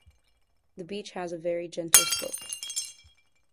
The beach has a very gentle slope.